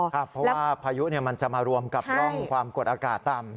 เพราะว่าพายุมันจะมารวมกับร่องความกดอากาศต่ำ